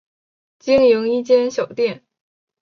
经营一间小店